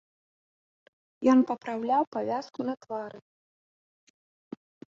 Ён папраўляў павязку на твары.